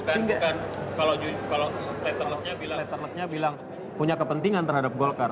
bukan bukan kalau ternyata bilang punya kepentingan terhadap golkar